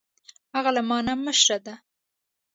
هغه له ما نه مشر ده